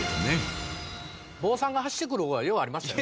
「坊さんが走ってくる」はようありましたよ。